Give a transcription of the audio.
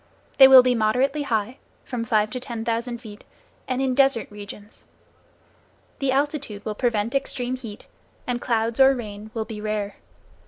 They will be moderately high, from five to ten thousand feet, and in desert regions. The altitude will prevent extreme heat, and clouds or rain will be rare.